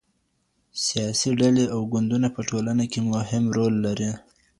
سياسي ډلې او ګوندونه په ټولنه کي مهم رول لري.